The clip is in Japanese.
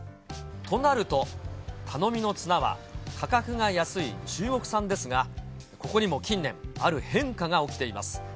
となると、頼みの綱は価格が安い中国産ですが、ここにも近年、ある変化が起きています。